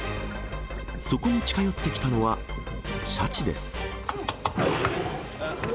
そこに近寄ってきたのはシャチです。